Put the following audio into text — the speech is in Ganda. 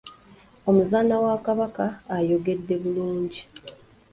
Omuzaana wa Kabaka ayogedde bulungi.